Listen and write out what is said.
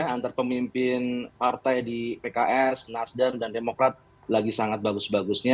antar pemimpin partai di pks nasdem dan demokrat lagi sangat bagus bagusnya